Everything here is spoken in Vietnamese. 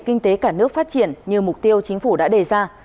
kinh tế cả nước phát triển như mục tiêu chính phủ đã đề ra